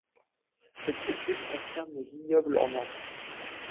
Cette étude concerne des vignobles en Inde.